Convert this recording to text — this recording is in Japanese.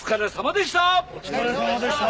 お疲れさまでした！